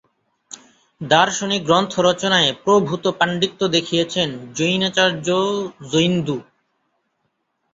দার্শনিক গ্রন্থ রচনায় প্রভূত পান্ডিত্য দেখিয়েছেন জৈনাচার্য জোইন্দু।